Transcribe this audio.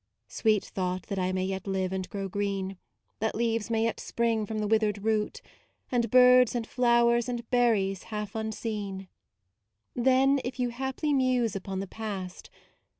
Sweet thought that I may yet live and grow green, That leaves may yet spring from the withered root, And birds and flowers and berries half unseen; Then if you haply muse upon the past